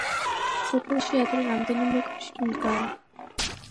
სოფელში ადრე რამდენიმე კოშკი მდგარა.